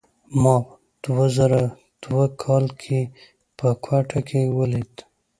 ما دوه زره دوه کال کې په کوټه کې ولید.